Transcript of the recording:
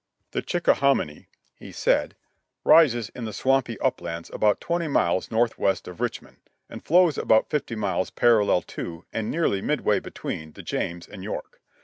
"The Chickahominy," he said, "rises in the swampy uplands about twenty miles northwest of Richmond, and flows about fifty miles parallel to, and nearly midway between, the James and York.